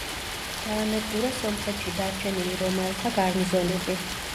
გაანადგურა სომხეთში დარჩენილი რომაელთა გარნიზონები.